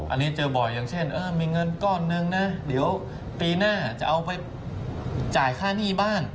อันนี้เจอบ่อยอย่างเช่นมีเงินก้อนหนึ่งนะเดี๋ยวปีหน้าจะเอาไปจ่ายค่าหนี้บ้าน